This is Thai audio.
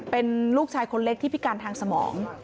เป็นลูกชายคนเล็กที่พิการทางสมอง